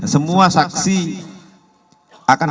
semua saksi akan kita hadir di persidangan